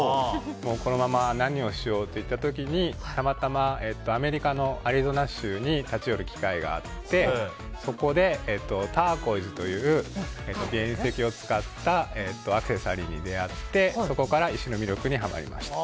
このまま何をしようといった時にたまたまアメリカのアリゾナ州に立ち寄る機会があってそこで、ターコイズという原石を使ったアクセサリーに出会ってそこから石の魅力にハマりました。